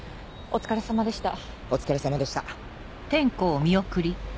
お疲れさまでした。